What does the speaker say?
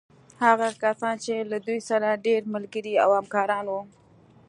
هغه کسان چې له دوی سره ډېر ملګري او همکاران وو.